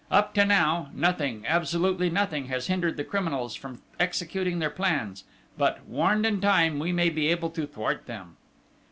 Up to now, nothing, absolutely nothing has hindered the criminals from executing their plans; but, warned in time, we may be able to thwart them."